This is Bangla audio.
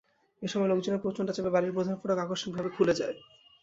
এ সময় লোকজনের প্রচণ্ড চাপে বাড়ির প্রধান ফটক আকস্মিকভাবে খুলে যায়।